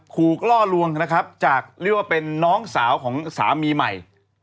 ล่อลวงนะครับจากเรียกว่าเป็นน้องสาวของสามีใหม่